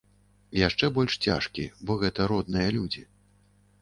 Яшчэ больш цяжкі, бо гэта родныя людзі.